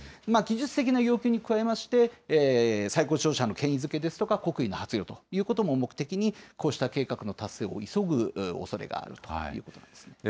技術的な要求に加えまして、最高指導者の権威づけですとか、国威の発揚ということも目的に、こうした計画の達成を急ぐおそれがあるということですね。